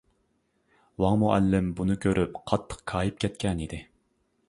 ۋاڭ مۇئەللىم، بۇنى كۆرۈپ قاتتىق كايىپ كەتكەنىدى.